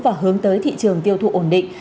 và hướng tới thị trường tiêu thụ ổn định